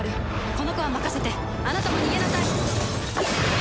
この子は任せてあなたも逃げなさい。